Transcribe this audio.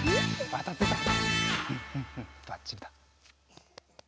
ばっちりだ。